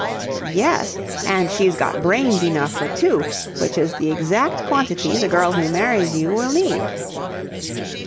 "Yes." "And she's got brains enough for two, which is the exact quantity the girl who marries you will need."